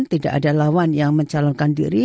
tidak ada lawan yang mencalonkan diri